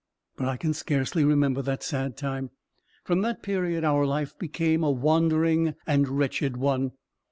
But I can scarcely remember that sad time. From that period our life became a wandering and wretched one.